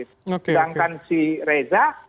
sedangkan si reza